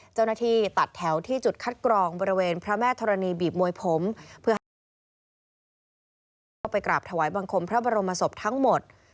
เจ้าหน้าที่ตัดแถวที่จุดคัดกรองบริเวณพระแม่ธรณีบิบมวยผม